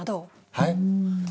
はい？